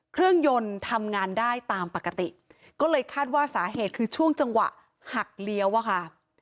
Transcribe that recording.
เครื่องยนต์ทำงานได้ตามปกติก็เลยคาดว่าสาเหตุคือช่วงจังหวะหักเลี้ยวอะค่ะ